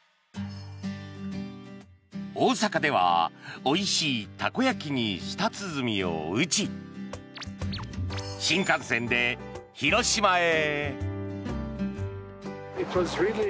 大阪ではおいしいたこ焼きに舌鼓を打ち新幹線で広島へ。